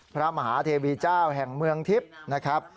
พระมหาเทวีเจ้าแห่งเมืองทิพย์นะครับ